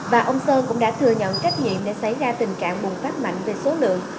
và ông sơn cũng đã thừa nhận trách nhiệm để xảy ra tình trạng bùng phát mạnh về số lượng